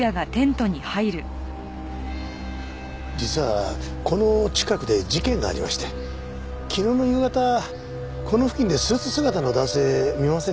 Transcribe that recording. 実はこの近くで事件がありまして昨日の夕方この付近でスーツ姿の男性見ませんでしたか？